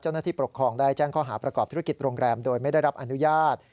ปกครองได้แจ้งข้อหาประกอบธุรกิจโรงแรมโดยไม่ได้รับอนุญาต